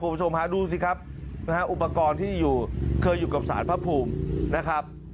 คุณผู้ชมฮะดูสิครับนะฮะอุปกรณ์ที่อยู่เคยอยู่กับสารพระภูมินะครับ